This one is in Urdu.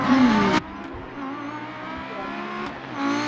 لیکن منکر نکیر ہستہ رہتا ہے